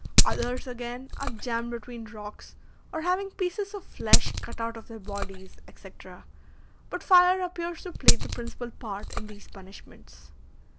Others again, are jammed between rocks, or having pieces of flesh cut out of their bodies, etc., but fire appears to play the principal part in these punishments.